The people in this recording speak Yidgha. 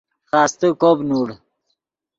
خاستے کوپ نیغوڑ